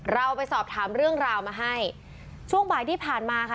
เราไปสอบถามเรื่องราวมาให้ช่วงบ่ายที่ผ่านมาค่ะ